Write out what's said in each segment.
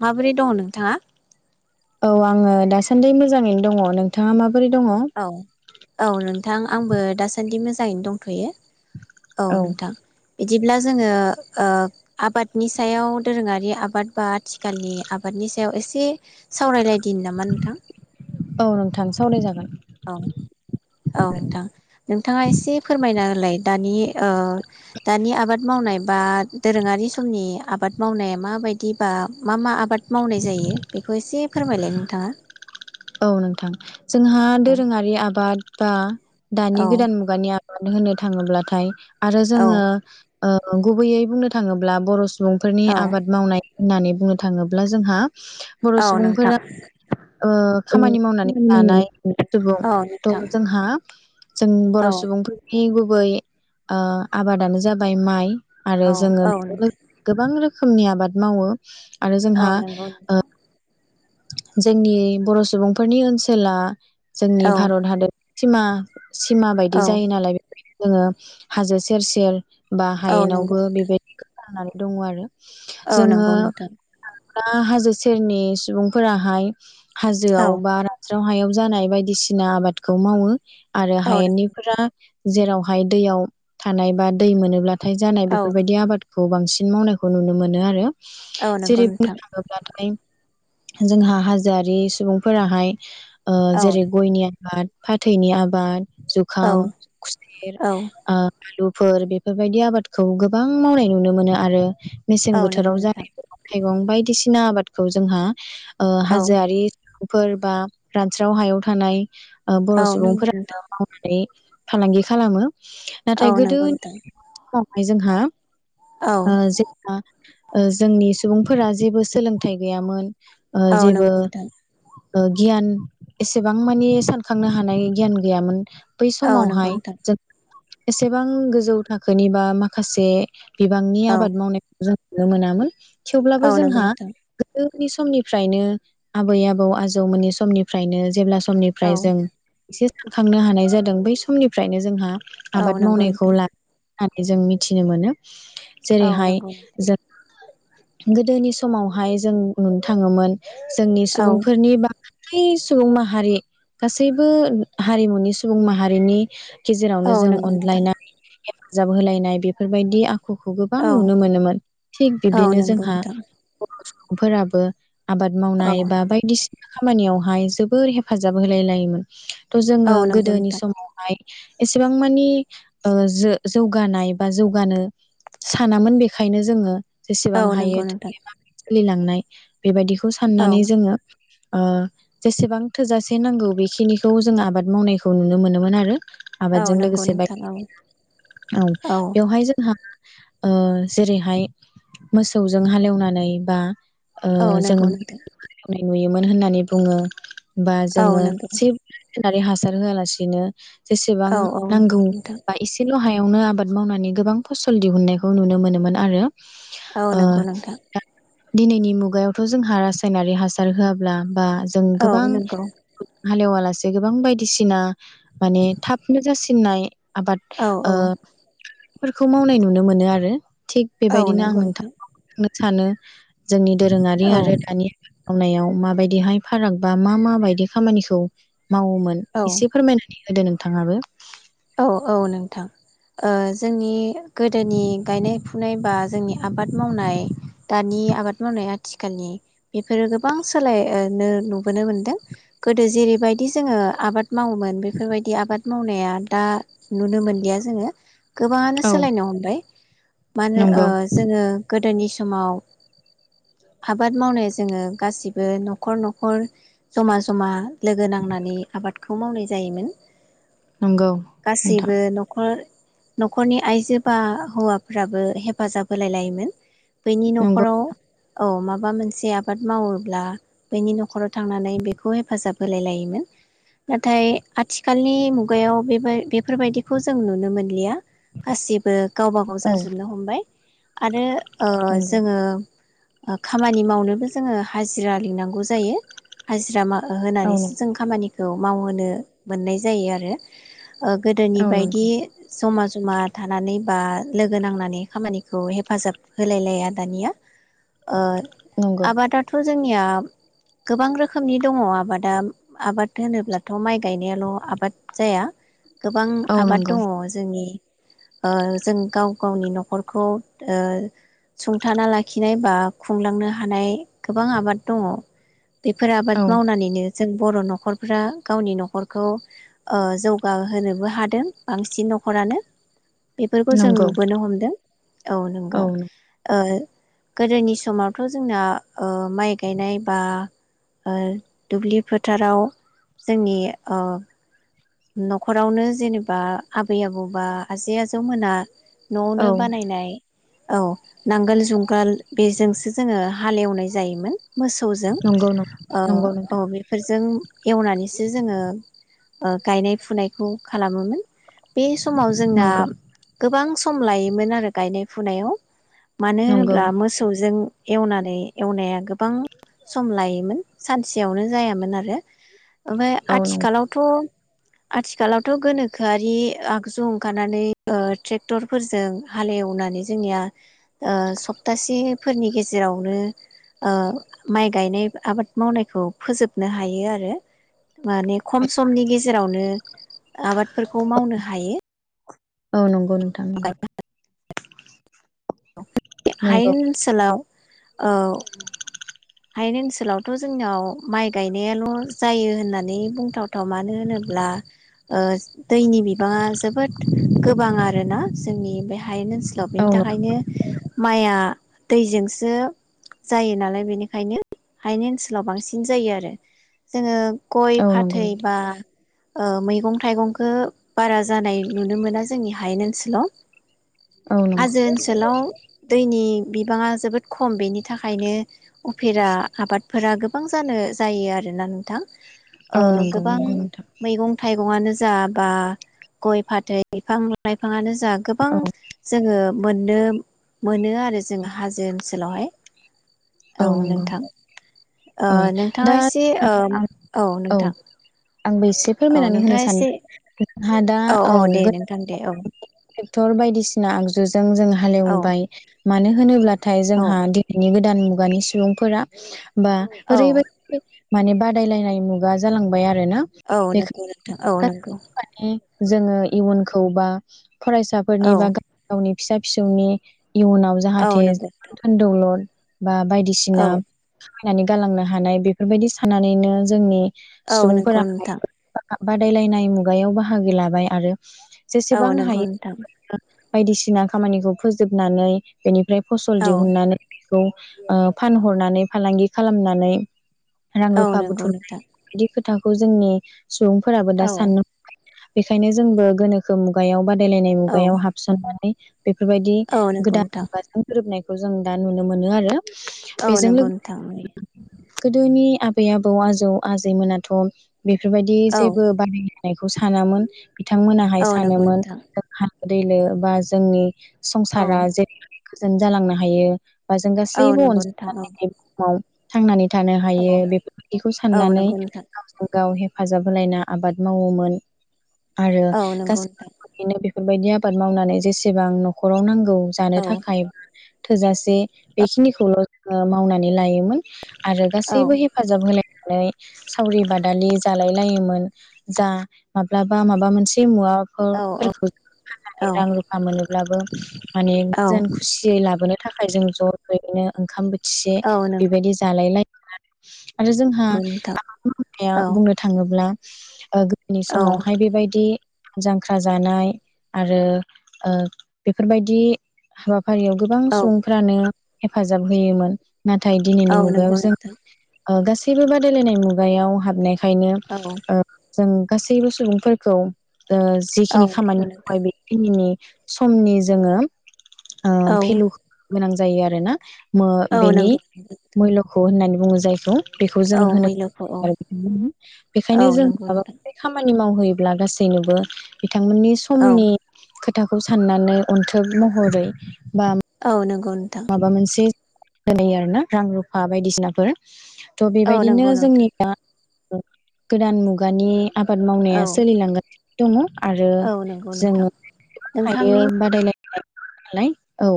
माबोरै दङ नोंथाङा? औ आङो दासान्दि मोजाङैनो दङ नोंथाङा माबो औ औ नोंथां आंबो दासान्दि मोजां ङैनो दंथ'यो औ नोंथां बिदिब्ला जोङो ओ आबादनि सायाव दोरोङारि आबाद बा आथिखालनि आबादनि सायाव एसे सावरायलायदिनि नामा नोंथां? औ नोंथां सावराय जागोन औ औ नोंथां नोंथाङा एसे फोरमायना होलाय दानि ओ दानि आबाद मावनाय बा दोरोङारि समनि आबाद मावनाया माबायदि बा मा मा आबाद मावनाय जायो बेखौ एसे फोरमायलाय नोंथाङा औ नोंथां जोंहा औ दोरोङारि आबाद दा दानि औ गोदान मुगानिया मानो होनो थाङोब्लाथाय आरो औ जोङो ओ गुबैयै बुंनो थाङोब्ला बर' सु बुंफोरनि औ आबाद मावनाय होननानै बुंनो थाङोब्ला जोंहा बर' औ नोंथां सुबुंफोरा ओ औ खामानि मावनानै खामानि मावनानै लानाय सुबुं औ नोंथां थ' जोंहा जों औ बर' सुबुंफोरनि गु गुबै ओ आबादानो जाबाय माइ आरो जोङो औ नोंथां गोबां रोखोम रोखोमनि आबाद मावो आरो औ जोंहा नंगौ ओ नोंथां जोंनि बर' सुबुंफोरनि ओनसोला जोंनि औ भारत हादोद सिमा सिमा बायदि औ जायो नालाय बेफोरो जोङो हाजो सेर सेर बा औ नंगौ हायेनावबो नोंथां बेबायदि जानानै दङ आरो औ नंगौ नोंथां ओ हाजो सेरनि सुबुं फोराहाय औ हाजोआव बा द हायाव जानाय बायदिसिना आबादखौ मावो आरो औ नंगौ हायेननिफोरा नोंथां जेरावहाय दैयाव थानाय बा दै मोनोब्ला हाथाय जानाय औ बेफोरबायदि आबाद खौ बांसिन मावनायखौ नुनो मोनो आरो औ नंगौ जेरै बुंनो नोंथां थाङोब्ला थाय जोंहा हाजोआरि सुबुंफोराहाय ओ औ जेरै गयनि आबाद फाथैनि आबाद औ जुखाम खुसेर औ ओ आलुफोर बेफोरबायदि आबादखौ गोबां मावनाय नुनो मोनो आरो मेसें औ नंगौ बोथोराव नोंथां जानाय मैगं थाइगं बाय दिसिना आबादखौ जोंहा ओ औ हाजोआरि फोर बा रानस्राव हायाव थानाय बर' औ नंगौ नोंथां सुबुंफोरानो नै फालांगि खालामो औ नाथाय नंगौ नोंथां गोदोनि समाव फ्राय जोंहा औ ओ जोंओ ओ जोंनि सुबुंफोरा जेबो सोलोंथाइ गैयामोन ओ औ जेबो नंगौ नोंथां ओ गियान एसेबां मानि सानखांनो हानाय गियान गैयामोन बै औ नंगौ समावहाय नोंथां जों एसेबां गोजौ थाखोनि बा माखासे बिबांनि औ आबाद मावनायखौ जों नुनो मोनामोन । औ थेवब्लाबो नंगौ जोंहा नोंथां नि समनिफ्रायनो आबै आबौ आजौमोननि समनिफ्रायनो जेब्ला स समनिफ्राय औ जों एसे सानखांनो हानाय जादों बै समनिफ्रायनो जोंहा औ आबाद नंगौ मावनायखौ नोंथां ला होनानै जों मिथिनो मोनो । औ जेरैहाय नंगौ नोंथां जो गोदोनि समावहाय जों नुनो थाङोमोन । जोंनि औ सुबुंफोरनि बा [unintelligible] सुबुं माहारि गासैबो हारिमुनि सुबुं माहारिनि गेजेरावनो औ जों नंगौ नोंथां अनलायनाय हेफाजाब होलायनाय बेफोरबायदि आ खुखौ गोबां औ नुनो मोनोमोन थिग औ बिब्दिनो नंगौ जोंहा नोंथां फोराब बो । आबाद औ मावनाय बा बायदिसि खामानियावहाय जोबोर हेफाजाब होलाय लायोमोन। थ' औ जोङो नंगौ गोदोनि नोंथां समावहाय एसेबां मानि ओ जो जौगानाय बा जौगानो सानामोन बेखायनो जोङो औ जेसेबां नंगौ हायो नोंथां [unintelligible] सोलिलांनाय [unintelligible] बेबायदिखौ औ साननानै जोङो ओ जेसेबां थोजासे नांगौ बेखिनिखौ जों आबाद मावनायखौ नुनो मोनोमोन आरो । औ आबादजों नंगौ लोगोसे बाय नोंथां औ [inaudible] औ बेवहाय जोंहा ओ जेरैहाय मोसौजों हालेवनानै बा ओ औ जोङो नोंगौ नोंथां । मोसौनाय नुयोमोन होननानै बुङो । बा औ जोङो नंगौ जि होननानै हासार होआलासिनो जेसेबां औ औ नांगौ नंगौ नोंथां बा एसेल' हाया इयावनो आबाद मावनानै गोबां फसल दिहुननायखौ नुनो मोनोमोन आरो । औ नंगौ नोंथां। दिनैनि मुगायावथ' जोंहा रासायनारि हासार होआब्ला बा जों औ गोबां नंगौ हालेवा लासे गोबां बायदिसिना माने थाबनो जासिननाय आबाद औ ओ औ फोरखौ मावनाय नुनो मोनो आरो। थिग औ बेबायदिनो आं नंगौ नोंथां नों- सानो जोंनि दोरोङारि औ आरो दानिया मावनायाव माबायदि हाय फाराग बा मा मा बायदि खामानिखौ मावोमोन औ एसे फोरमायनानै होदो नों थाङाबो औ औ नोंथां ओ जोंनि गोदोनि गायनाय फुनाय बा जोंनि आबाद मावनाय दानि आबाद मावनाया आथिखालनि बेफोरो गोबां सोलाय ओ नो नुबोनो मोनदों गोदो जेरैबायदि जोङो आबाद मावोमोन बेफोर बायदि आबाद मावनाया दा नुनो मोनलिया जोङो गोबाङानो औ सोलायनो हमबाय। मा होनो ओ नंगौ जोङो गो गोदोनि समाव आबाद मावनो जोङो गासिबो नखर नखर जमा जमा लोगो नांनानै आबाद खौ मावनाय जायोमोन। नंगौ नोंथां गासैबो नखर नखरनि आइजो बा हौवाफ्राबो हेफाजाब होलाय लायोमोन। बैनि नंगौ नखराव औ माबा माबा मोनसे आबाद मावोब्ला बैनि नखराव थांनानै बेखौ हेफाजाब होलाय लायोमोन नाथाय आथिखालनि मुगायाव बे बे बेफोर बायदिखौ जों नुनो मोनलिया। गासिबो गावबा गाव औ जाजोबनो हमबाय आरो ओ नंगौ जोङो खामानि मावनोबो जोङो हाजि हाजिरा लिंनांगौ जायो हाजिरा मा ओ औ नंगौ होनानैसो जों खामानिखौ खौ मावहोनो मोननाय जायो आरो ओ गोदोनि औ बायदि नंगौ जमा जमा थानानै बा लोगो नांनानै खामानि खौ हेफाजाब होलायलाया दानिया ओ नंगौ आबादाथ' जोंनिया गोबां रोखोमनि दङ आबादा आबाद होनोब्लाथ' माइ गायनायाल' आबाद जाया। गोबां औ आबाद नंगौ दङ जोंनि ओ जों गाव गावनि न'खरखौ ओ सुंथाना लाखिनाय बा खुंलांनो हानाय गोबां आबाद दङ। बेफोर आबाद औ मावनानैनो जों बर' न'खरफ्रा गावनि न'खरखौ ओ जौगा होनोबो हादों बांसिन न'खरानो बेफोरखौ जों नंगौ नुबोनो हमदों। औ नंगौ ओ। गोदोनि समावथ' जोंना ओ माइ गायनाय बा ओ दुब्लि फोथाराव जोंनि ओ न'खरावनो जेनेबा आबै आबौ बा आजै आजौमोना औ न'आवनो बानायनाय औ नांगोल जुंगाल बेजोंसो जोङो हालेवनाय जायोमोन। मोसौजों नंगौ नं ओ नंगौ नोंथां औ‌ बेफोरजों एवनानैसो जोङो ओ‌ गायनाय फुनायखौ खालामोमोन। बे समाव जोंना नंगौ गोबां सम लायोमोन आरो गायनाय फुनायाव। मानो नंगौ होनोब्ला मोसौजों एवनानै एवनाया गोबां सम लायोमोन सानसेयावनो जायामोन आरो। ओमफाय औ नंगौ आथिखालावथ' आथिखालावथ' गोनोखोआरि आगजु ओंखारनानै ओ ट्रेक्टरफोरजों हालेवनानै जोंनिया ओ सबथा से फोरनि गेजेरावनो ओ माइ गायनाय आबाद मावनायखौ फोजोबनो हायो आरो मानि खम सम जेरावनो आबादफोरखौ मावनो हायो। औ नंग गौ नोंथां नंगौ। नंगौ हायेन ओनसोलाव औ हायेन ओनसोलावथ' जोंनाव माइ गायनायाल' जायो होननानै बुंथावथाव मानो होनोब्ला ओ दैनि बिबाङा जोबोद गोबां आरोना जोंनि बे हायेन ओनसोलाव औ बेनि थाखायनो माइया दैजोंसो जायो नालाय बेनिखायनो हानि ओनसोलाव बांसिन जायो आरो जोङो गय औ नंगौ फाथै नोंथां बा ओ मैगं थाइगंखो बारा जानाय नुनो मोना जोंनि हायेन ओनसोलाव। औ नंगौ। लाव दैनि बिबाङा जोबोद खम बेनि थाखायनो उफेरा आबादफोरा गोबां जानो जायो आरोना नोंथां। औ नंगौ नंगौ नोंथां। आनो जा बा गय फाथै बिफां लाइफांनो जा जा गोबां औ जोङो मोननो मोनो आरो जोङो हाजो ओनसोलावहाय। औ नोंथां। ओ औ नोंथाङा दा एसे ओ आं औ नोंथां एसे औ फोरमायनानै होनो नोंथाङा सान एसे हा दा औ दे नोंथां दे औ [unintelligible] बेसर बायदिसिना आगजु जों जों औ हालेवबाय मानो होनोब्ला नाथाय औ जोंहा दिनैनि गोदान मु खुगानि सुबुंफोरा बा औ ओरैबायदि माने बादायलायनाय मुगा जालांबाय आरो औ नंगौ नोंथां औ नंगौ [unintelligible] जोङो इयुनखौ बा फरायसाफोरनि औ बा गाव गावनि फिसा फिसौनि इयुनाव औ जाहाथे नंगौ धोनदौलद बा बायदिसिना औ खामायनानै गालांनो हानाय बेफोरबायदि साननानैनो जोंनि औ नोंगौ सुबुंफोरा नोंथां बादायलायनाय मुगायाव बाहागो लाबाय आरो औ जेसेबां नंगौ हायो। नोंथां बायदिसिना खामानिखौ फोजोबनानै बेनिफ्राय फसल औ दिहुननानै फानहरनानै फालांगि खालामनानै रां औ रुफा नंगौ बुथुम नोंथां बिदिथ खोथाखौ जोंनि सुबुंफोराबो दा औ साननो बेखायनो जोंबो गोनोखो मुगायाव बा बायलायनाय औ मुगायाव हाबसननानै बेफोरबायदि औ नंगौ गोदान नोंथां मुगासान गोरोबनायखौ बे खौ जों दा नुनो मोनो आरो। औ बेजों नंगौ नो लोगोसे थांनि गोदोनि आबै आबौ आजौ आजैमोनाथ' बेफोरबायदि औ जेबो बानाय नायखौ सानामोन। बिथांमोनाहाय औ नंगौ सानोमोन नोंथां [inaudible] दैलो बा जोंनि औ संसारा जे गोजोन जालांनो हायो। बा जों औ गासैबो नंगौ अनज नोंथां माव थांनानै थानो औ हायो बेफोरबायदिखौ औ साननानै नंगौ नोंथां गावजों गाव हे फाजाब होलायना आबाद मावोमोन। आरो औ नंगौ नोंथां गासै [inaudible] बेफोरबायदि आबाद मावनानै जेसेबांं न'खराव नांगो औ जानो थाखाय थोजासे बेखिनिखौल' जोङो मावनानै लायोमोन। आरो औ गासैबो हेफाजाब होलाय नै सावरि बादालि जालाय लायोमोन, जा माब्लाबा माबा मोनसे मुवा खो औ फोरखो फाननानै रां रुफा मोनोब्लाबो माने औ जेन खुसियै लाबोनो थाखाय जों ज'यैनो ओंखाम बो औ नों बेबायदि जालायलायोमोन आरो। आरो जोंहा नोंथां आबाद मावनाया औ बुंनो थाङोब्ला ओ गो दोनि औ समावहाय बेबायदि जांख्रा जानाय आरो ओ बेफोरबायदि हाबा फारियाव गोबां औ सुबुंफ्रानो हेफाजाब होयोमोन । नाथाय औ दिनैनि मुगायाव नंगौ जों नोंथां ओ गासैबो बादायलायनाय मुगायाव हाबनाय खायनो औ ओ जों गासैबो सुबुंफोरखौ ओ औ जिखिनि नंगौ खामानि नोंथां मावबाय बेखिनिनि समनि जोङो ओ औ भेलु गोनां जायो आरोना । मो औ बेनि नंगौ मयलखौ अ होननानै बुङो जायखौ बेखौ जों औ होनो मैल'खौ औ आरो [unintelligible] औ बेखायनो जों नंगौ माबा नोंथां मोनसे खामानि मावहैयोब्ला गासैनोबो बिथांमोननि औ समनि खो थाखौ साननानै अन्थोब महरै बा औ नों माबा मोनसे दोनहैयो आरोना रां रुफा बायदिसिनाफोर थ' औ बेबायदिनो नंगौ नोंथां जोंनिया गोदान मुगानि आबाद औ मावनाया सोलिलांगोन दोङो आरो औ नंगौ नोंथां जोङो नोंथांनि हायो बादायलाय नाय औ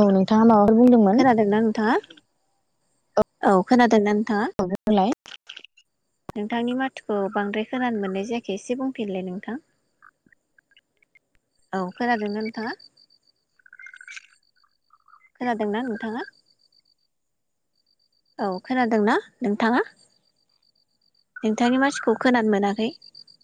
औ नोंथाङा माबा खोनादोंना नोंथाङा? औ खोनादों ना थाङा बुंलाय नोंथांनि माथोखौ बांद्राय खोनानो मोननाय जाया। खेसे बुंफिनलाय नोंथां औ खोनादों ना नोंथाङा। खोनादोंना नोंथाङा। औ खोनादोंना नोंथाङा नोंथांनि माथोखौ खोनानो मोनाखै ।